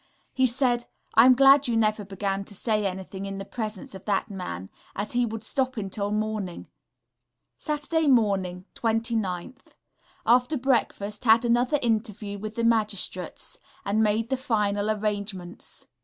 He said, "I am glad you never began to say anything in the presence of that man, as he would stop until morning."... Saturday morning, 29th.... After breakfast, had another interview with the Magistrates, and made the final arrangements.